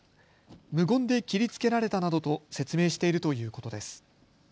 無言で切りつけられたなどと説明しているということです。